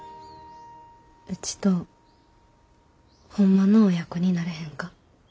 うちとほんまの親子になれへんか？